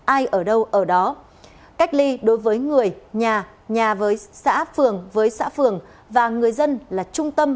ai ở đâu ở đó cách ly đối với người nhà nhà với xã phường với xã phường và người dân là trung tâm